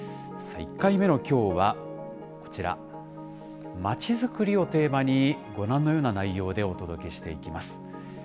１回目のきょうはこちら、まちづくりをテーマに、ご覧のような内容でお届けしていきます。